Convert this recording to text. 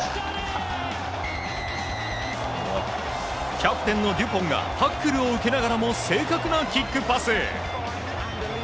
キャプテンのデュポンがタックルを受けながらも正確なキックパス。